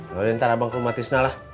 ya udah ntar abang ke rumah tisna lah